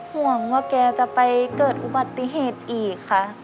ห่วงว่าแกจะไปเกิดอุบัติเหตุอีกค่ะ